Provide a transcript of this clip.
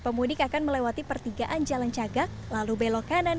pemudik akan melewati pertigaan jalan cagak lalu belok kanan ke arah lembang